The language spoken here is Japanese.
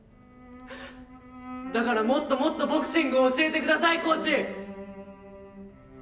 だからもっともっとボクシングを教えてくださいコーチ！